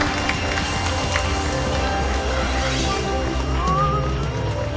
ああ。